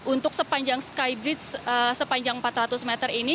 untuk sepanjang skybridge sepanjang empat ratus meter ini